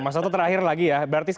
mas toto terakhir lagi ya